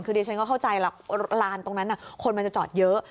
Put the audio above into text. คือดิฉันก็เข้าใจหรอกลานตรงนั้นคนมันจะจอดเยอะ